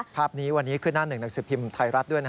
ภาพนี้วันนี้ขึ้นหน้าหนึ่งหนังสือพิมพ์ไทยรัฐด้วย